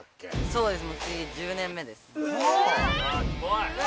そうです。